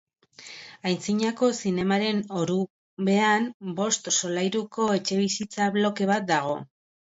Antzinako zinemaren orubean bost solairuko etxebizitza bloke bat dago.